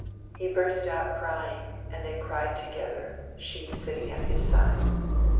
He burst out crying and they cried together, she sitting at his side.